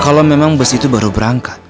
kalau memang bus itu baru berangkat